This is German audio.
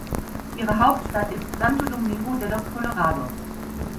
Ihre Hauptstadt ist Santo Domingo de los Colorados.